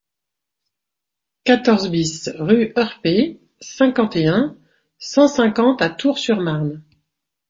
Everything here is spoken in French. quatorze BIS rue Heurpé, cinquante et un, cent cinquante à Tours-sur-Marne